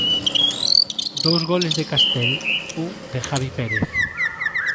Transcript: Dous goles de Castel, un de Javi Pérez.